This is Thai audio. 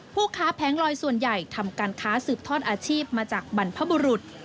ผู้ค้าแผงลอยส่วนใหญ่ทำการค้าสืบทอดอาชีพมาจากบรรพบุรุษ